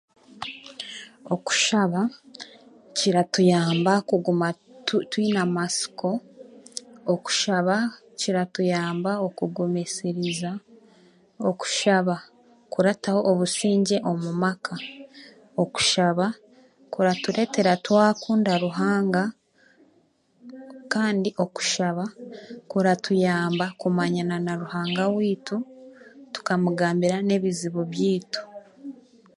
Okushaba kiratuyamba okuguma tu twine amatsiko, okushaba kiratuyamba okugumisiriiza, okushaba kurataho obusingye omu maka, okushaba kuratureetera twakunda Ruhanga kandi okushaba kuratuyamba okumanyana na Ruhanga weitu ,tukamugambira n'ebizibu byaitu